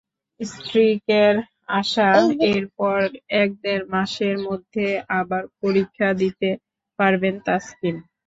স্ট্রিকের আশা, এরপর এক-দেড় মাসের মধ্যেই আবার পরীক্ষা দিতে পারবেন তাসকিন।